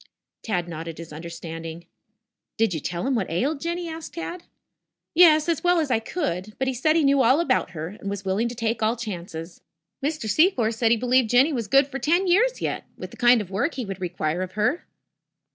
Tad nodded his understanding. "Did you tell him what ailed Jinny?" asked Tad. "Yes, as well as I could. But he said he knew all about her, and was willing to take all chances. Mr. Secor said he believed Jinny was good for ten years yet, with the kind of work he would require of her."